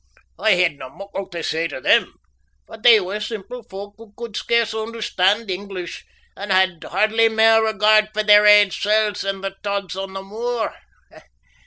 I hadna muckle tae say to them, for they were simple folk who could scarce understand English, and had hardly mair regard for their ain souls than the tods on the moor.